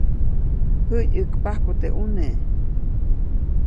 Jäyʼäkpajku teʼ ʼuneʼ.